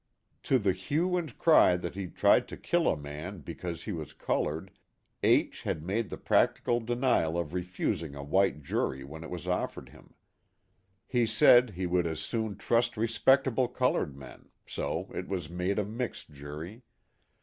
To the hue and cry that he tried to kill a man because he was colored, H had made the practical denial of refusing a white jury when it was offered him. He said he would as soon trust respectable colored men, so it was made a mixed jury.